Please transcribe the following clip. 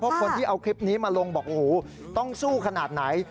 เพราะคนที่เอาคลิปนี้มาลงบอกโอ้โหต้องสู้ขนาดไหน